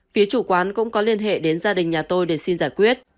phía chủ quán cũng có liên hệ đến gia đình nhà tôi để xin giải quyết